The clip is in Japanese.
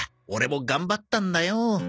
オレも頑張ったんだよ。